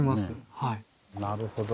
なるほど。